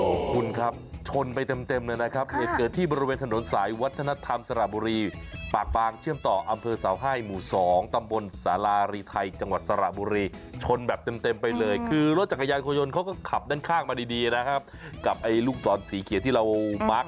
โอ้โหคุณครับชนไปเต็มเต็มเลยนะครับเหตุเกิดที่บริเวณถนนสายวัฒนธรรมสระบุรีปากบางเชื่อมต่ออำเภอเสาไห้หมู่๒ตำบลสารารีไทยจังหวัดสระบุรีชนแบบเต็มไปเลยคือรถจักรยานยนต์เขาก็ขับด้านข้างมาดีดีนะครับกับไอ้ลูกศรสีเขียวที่เรามาร์ค